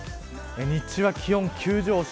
日中は気温急上昇。